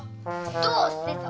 どうしてさ！